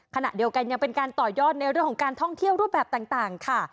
ขณะเดียวกันยังเป็นการต่อยอดในเรื่องของการท่องเที่ยวรูปแบบต่างค่ะ